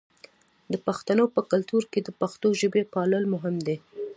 د پښتنو په کلتور کې د پښتو ژبې پالل مهم دي.